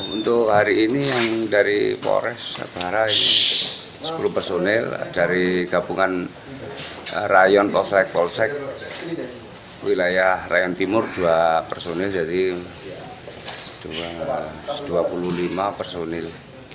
untuk hari ini yang dari polres sabarai sepuluh personil dari gabungan rayon polsek polsek wilayah rayon timur dua personil jadi dua puluh lima personil